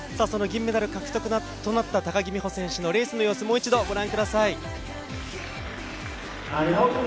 銀メダル獲得となった高木美帆選手のレースの様子、もう一度ご覧ください。